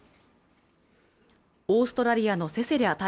オーストラリアのセセリャ